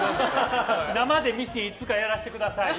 生でミシンをいつかやらせてください。